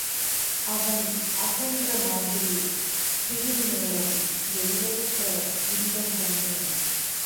அவன் அகன்ற மார்பில் சிறிது நேரம் எல்லையற்ற இன்பங் கண்டேன்.